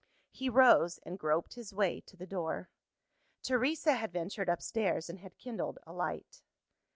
He rose, and groped his way to the door. Teresa had ventured upstairs, and had kindled a light.